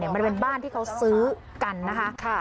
มันเป็นบ้านที่เขาซื้อกันนะคะ